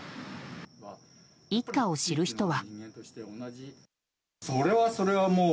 一家を知る人は。